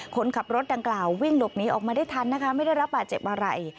คนขับรถดังกล่าววิ่งหลบหนีออกมาได้ทันนะคะไม่ได้รับบาดเจ็บอะไร